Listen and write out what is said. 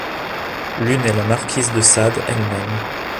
L'une est la marquise de Sade elle-même.